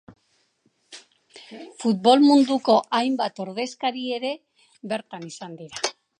Futbol munduko hainbat ordezkari ere bertan izan dira.